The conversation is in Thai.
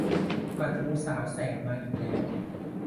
กระทู้สาวแสบมาอีกแล้ว